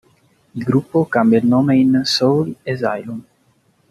Il gruppo cambia il nome in Soul Asylum.